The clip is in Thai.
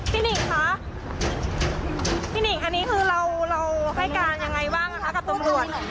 หนิ่งคะพี่หนิ่งอันนี้คือเราให้การยังไงบ้างคะกับตำรวจ